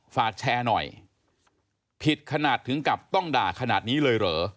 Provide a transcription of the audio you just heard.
ฝากแชร์หน่อยผิดขนาดถึงกับต้องด่าขนาดนี้เลยเหรอ